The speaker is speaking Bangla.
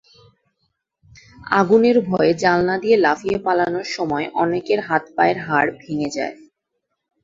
আগুনের ভয়ে জানালা দিয়ে লাফিয়ে পালানোর সময় অনেকের হাত-পায়ের হাড় ভেঙে যায়।